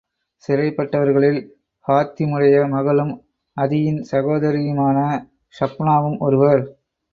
சிறைப்பட்டவர்களில் ஹாத்திமுடைய மகளும், அதியின் சகோதரியுமான ஸஃப்பானாவும் ஒருவர்.